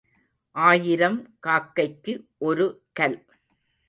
ஆயிரம் காக்கைக்கு ஒரு கல்.